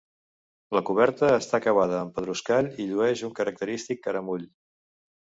La coberta està acabada amb pedruscall i llueix un característic caramull.